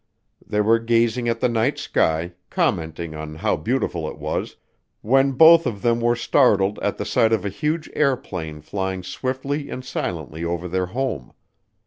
They were gazing at the night sky, commenting on how beautiful it was, when both of them were startled at the sight of a huge airplane flying swiftly and silently over their home.